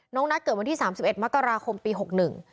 นัทเกิดวันที่สามสิบเอ็ดมกราคมปีหกหนึ่ง